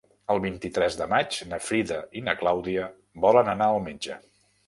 El vint-i-tres de maig na Frida i na Clàudia volen anar al metge.